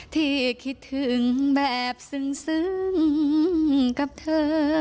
ที่คิดถึงแบบซึ้งกับเธอ